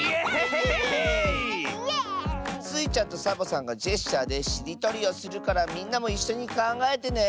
スイちゃんとサボさんがジェスチャーでしりとりをするからみんなもいっしょにかんがえてね！